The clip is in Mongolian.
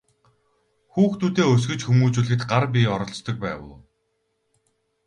Хүүхдүүдээ өсгөж хүмүүжүүлэхэд гар бие оролцдог байв уу?